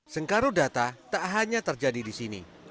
sengkaru data tak hanya terjadi di sini